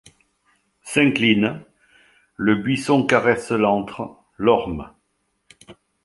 S'incline ; le buisson caresse l'antre ; l'orme